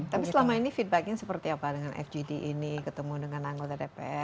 tapi selama ini feedbacknya seperti apa dengan fgd ini ketemu dengan anggota dpr